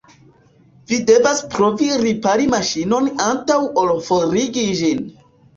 Vi devas provi ripari maŝinon antaŭ ol forigi ĝin.